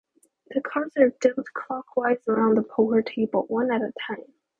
The cards are dealt clockwise around the poker table, one at a time.